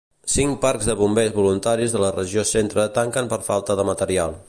Cinc parcs de bombers voluntaris de la Regió Centre tanquen per falta de material.